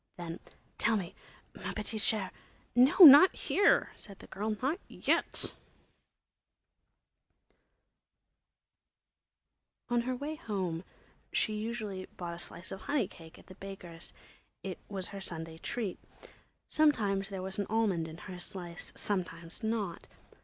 Then: "Tell me, ma petite chère—" "No, not here," said the girl. "Not yet." On her way home she usually bought a slice of honey cake at the baker's. It was her Sunday treat. Sometimes there was an almond in her slice, sometimes not.